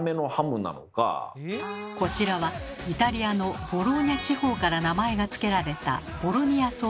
こちらはイタリアのボローニャ地方から名前がつけられたボロニアソーセージ。